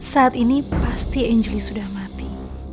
saat ini pasti angeli sudah mati